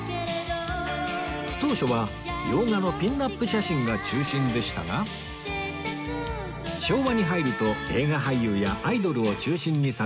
当初は洋画のピンナップ写真が中心でしたが昭和に入ると映画俳優やアイドルを中心に撮影